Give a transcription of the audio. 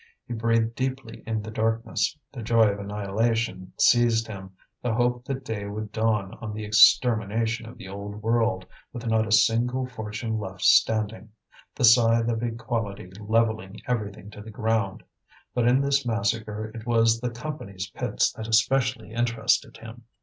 He breathed deeply in the darkness, the joy of annihilation seized him, the hope that day would dawn on the extermination of the old world, with not a single fortune left standing, the scythe of equality levelling everything to the ground. But in this massacre it was the Company's pits that especially interested him.